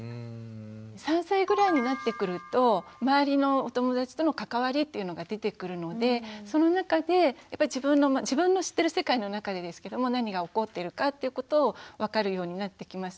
３歳ぐらいになってくると周りのお友達との関わりというのが出てくるのでその中で自分の知ってる世界の中でですけども何が起こっているかっていうことを分かるようになってきますし。